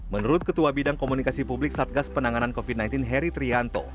menurut ketua bidang komunikasi publik satgas penanganan covid sembilan belas heri trianto